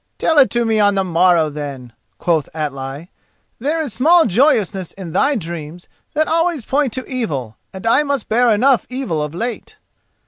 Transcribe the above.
"Tell it to me on the morrow, then," quoth Atli; "there is small joyousness in thy dreams, that always point to evil, and I must bear enough evil of late."